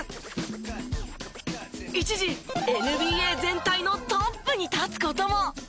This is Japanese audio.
一時ＮＢＡ全体のトップに立つ事も！